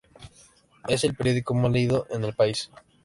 Es el periódico más leído en el país.